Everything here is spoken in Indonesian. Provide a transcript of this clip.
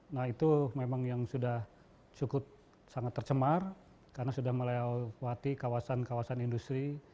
nah itu memang yang sudah cukup sangat tercemar karena sudah melewati kawasan kawasan industri